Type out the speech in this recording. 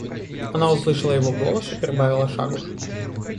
Она услышала его голос и прибавила шагу.